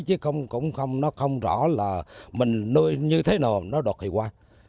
chứ không cũng không nó không rõ là mình nuôi như thế nào nó đột thì qua